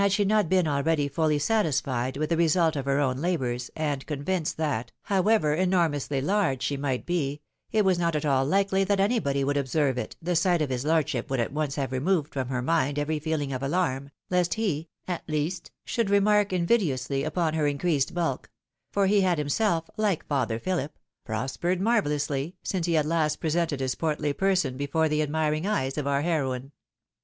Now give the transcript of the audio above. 299 she not been already fully satisfied with the result of her own labours, and convinced that, however enormously large she might be, it was not at all likely that anybody would observe it, the sight of his lordship would at once have removed from her mind every feeling of alarm, lest he, at least, 'should remark invidiously upon her increased bulk — for he had himself, like Father Phihp, "prospered marvellously" since he had last presented his portly person before the admiring eyes of our heroine.